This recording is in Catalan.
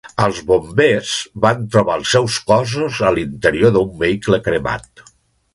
Els bombers van trobar els seus cossos a l'interior d'un vehicle cremat.